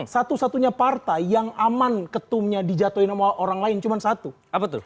satu satunya partai yang aman ketumnya di jatuhin sama orang lain cuma satu